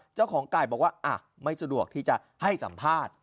เจ้าของไก่บอกว่าไม่สะดวกที่จะให้สัมภาษณ์